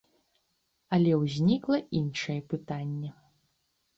Але ўзнікла іншае пытанне.